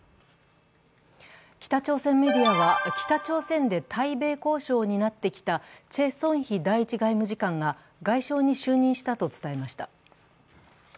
北朝鮮メディアは、北朝鮮で対米交渉を担ってきたチェ・ソンヒ第１外務次官が外相に就任したと伝えました。